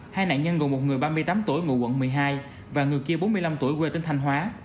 hai nạn nhân gồm một người ba mươi tám tuổi ngụ quận một mươi hai và người kia bốn mươi năm tuổi quê tỉnh thanh hóa